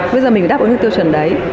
bây giờ mình đáp ứng những tiêu chuẩn đấy